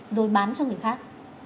rồi bán cho người khác